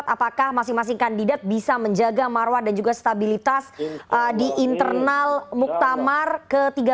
apakah masing masing kandidat bisa menjaga marwah dan juga stabilitas di internal muktamar ke tiga belas